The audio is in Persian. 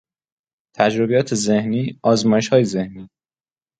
تجربیات ذهنی، آزمایشهای ذهنی